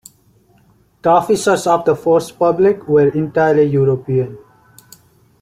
The officers of the "Force Publique" were entirely European.